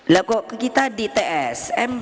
lagu kita di tsm